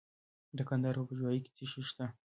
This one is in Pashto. د کندهار په پنجوايي کې څه شی شته؟